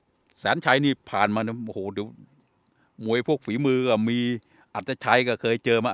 แสนชัยนี่ผ่านมาโอ้โหดูมวยพวกฝีมือก็มีอัตชัยก็เคยเจอมา